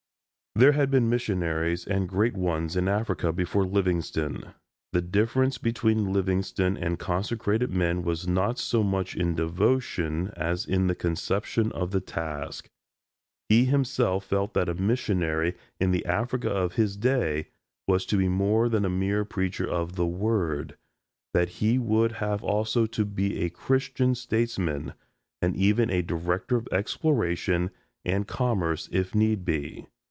There had been missionaries, and great ones, in Africa before Livingstone. The difference between Livingstone and consecrated men was not so much in devotion as in the conception of the task. He himself felt that a missionary in the Africa of his day was to be more than a mere preacher of the word that he would have also to be a Christian statesman, and even a director of exploration and commerce if need be.